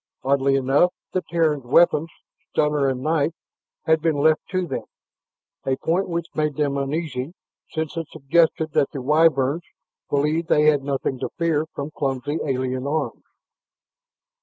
Oddly enough, the Terrans' weapons, stunner and knife, had been left to them, a point which made them uneasy, since it suggested that the Wyverns believed they had nothing to fear from clumsy alien arms.